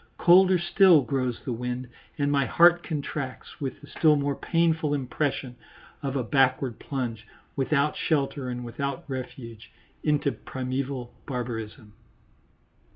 Colder still grows the wind, and my heart contracts with the still more painful impression of a backward plunge, without shelter and without refuge, into primeval barbarism.